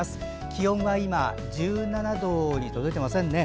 気温は今１７度に届いていませんね。